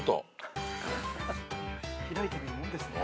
開いてみるもんですね。